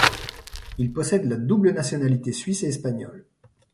Il possède la double nationalité suisse et espagnole.